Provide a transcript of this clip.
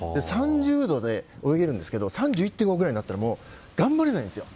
３０度で泳げますが３１．５ぐらいになったら頑張れないんです。